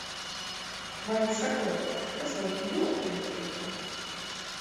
Maigi sakot, tas būtu ļoti nepatīkami.